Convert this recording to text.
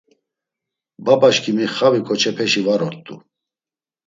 Babaşǩimi xavi ǩoçepeşi var ort̆u.